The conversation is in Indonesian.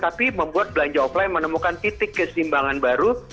tapi membuat belanja offline menemukan titik kesimbangan baru